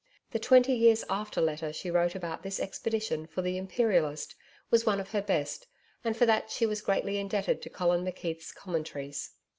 The TWENTY YEARS AFTER letter she wrote about this expedition for THE IMPERIALIST was one of her best, and for that she was greatly indebted to Colin McKeith's commentaries.